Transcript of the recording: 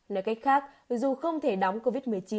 nói cách khác dù không thể đóng covid một mươi chín